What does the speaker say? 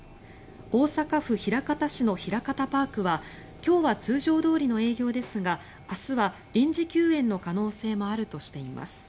大阪府枚方市のひらかたパークは今日は通常通りの営業ですが明日は臨時休園の可能性もあるとしています。